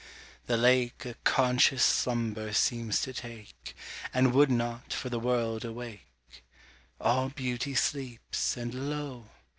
the lake A conscious slumber seems to take, And would not, for the world, awake. All Beauty sleeps! and lo!